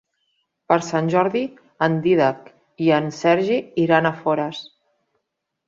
Per Sant Jordi en Dídac i en Sergi iran a Forès.